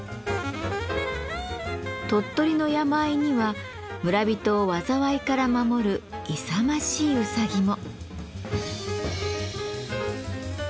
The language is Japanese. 鳥取の山あいには村人を災いから守る勇ましいうさぎも。